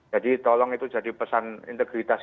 jadi tolong itu jadi pesan integritas